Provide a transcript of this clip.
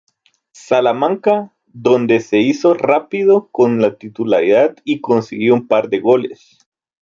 Salamanca, donde se hizo rápido con la titularidad y consiguió un par de goles.